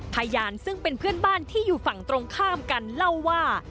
พยานซึ่งเป็นเพื่อนบ้านที่อยู่ฝั่งตรงข้ามกันเล่าว่า